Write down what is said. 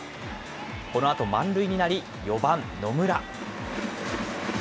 このあと満塁になり、４番野村。